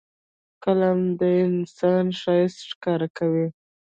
قلم د انسان ښایست ښکاره کوي